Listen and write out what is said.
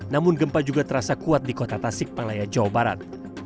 namun gempa juga terasa kuat di kota tasik malaya jawa barat